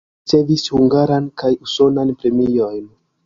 Li ricevis hungaran kaj usonan premiojn.